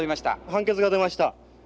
判決が出ました。